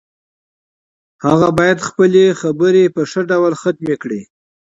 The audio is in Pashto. هغه باید خپلې خبرې په ښه ډول ختمې کړي